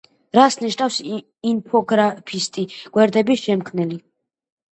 რას ნიშნავს ინფოგრაფისტი გვერდების შემქმნელი?